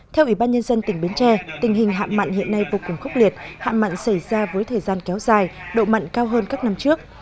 theo ủy ban nhân dân tỉnh bến tre tình hình hạm mặn hiện nay vô cùng khốc liệt hạm mặn xảy ra với thời gian kéo dài độ mặn cao hơn các năm trước